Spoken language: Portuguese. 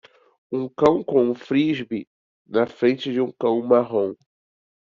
Um cão com um Frisbee na frente de um cão marrom.